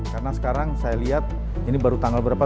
karena sekarang saya lihat ini baru tanggal berapa